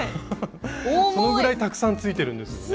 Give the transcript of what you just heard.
そのぐらいたくさんついてるんですよね。